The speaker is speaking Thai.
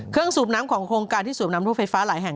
เครื่องสูบน้ำของโครงการที่สูบในแล้วบนแผ่งไฟฟ้าหลายแห่ง